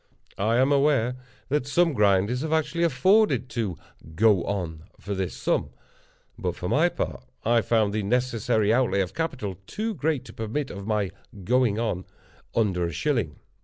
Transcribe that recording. I am aware that some grinders have actually afforded to "go on" for this sum; but for my part, I found the necessary outlay of capital too great to permit of my "going on" under a shilling.